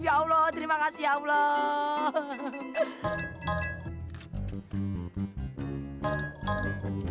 ya allah terima kasih allah